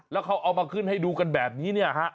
แล้วเขาเอามาขึ้นให้ดูกันแบบนี้เนี่ยฮะ